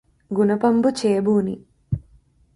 గునపంబు చేబూని